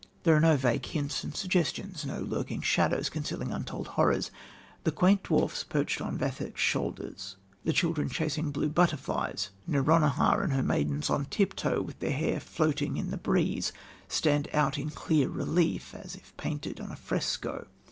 There are no vague hints and suggestions, no lurking shadows concealing untold horrors. The quaint dwarfs perched on Vathek's shoulders, the children chasing blue butterflies, Nouronihar and her maidens on tiptoe, with their hair floating in the breeze, stand out in clear relief, as if painted on a fresco.